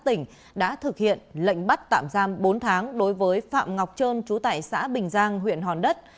tỉnh đã thực hiện lệnh bắt tạm giam bốn tháng đối với phạm ngọc trơn chú tại xã bình giang huyện hòn đất